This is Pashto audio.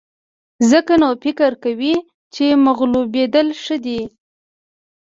ځکه نو فکر کوئ چې مغلوبېدل ښه دي.